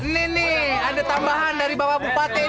nih nih ada tambahan dari bapak bupati nih